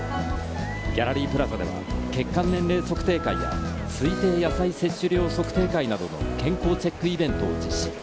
ギャラリープラザでは血管年齢測定会や推定野菜摂取量測定会などの健康チェックイベントを実施。